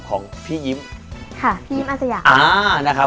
ของพี่ยิ้มพี่ยิ้มอาสยาก